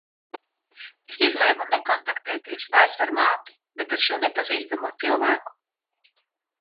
Es izlēmu nekontaktēties vairs ar māti, bet ar šo nepazīstamo cilvēku.